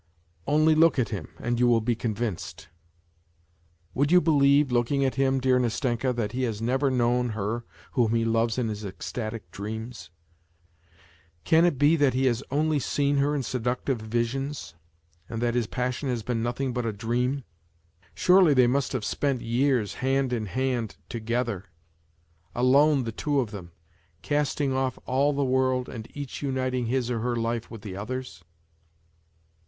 ... Only look at him, and you will be convinced ! Would you believe, look ing at him, dear Nastenka, that he has never known her whom he loves in his ecstatic dreams ? Can it be that he has only seen her in seductive visions, and that this passion has been nothing but a dream ? Surely they must have spent years hand in hand together alone the two of them, casting off all the world and each uniting his or her life with the other's